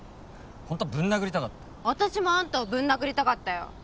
ホントはぶん殴りたかった私もあんたをぶん殴りたかったよ